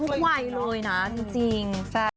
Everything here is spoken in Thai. ทุกวัยเลยนะจริงแฟน